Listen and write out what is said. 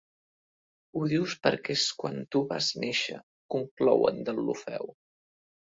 Ho dius perquè és quan tu vas néixer —conclou en Deulofeu.